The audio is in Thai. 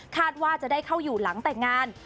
ว่าจะได้เข้าอยู่หลังแต่งงาน